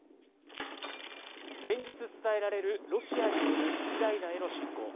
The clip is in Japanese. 連日伝えられるロシアによるウクライナへの侵攻。